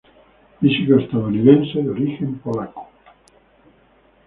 Físico estadounidense de origen polaco.